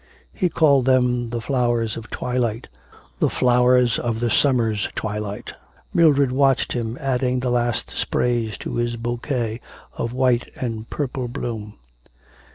He called them the flowers of twilight, the flowers of the summer's twilight. Mildred watched him adding the last sprays to his bouquet of white and purple bloom.